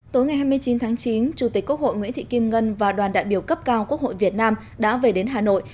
tối ngày hai mươi chín tháng chín chủ tịch quốc hội nguyễn thị kim ngân và đoàn đại biểu cấp cao quốc hội việt nam đã về đến hà nội